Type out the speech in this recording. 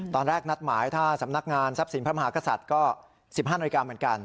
นัดหมายถ้าสำนักงานทรัพย์สินพระมหากษัตริย์ก็๑๕นาฬิกาเหมือนกัน